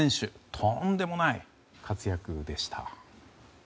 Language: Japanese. とんでもない活躍でした。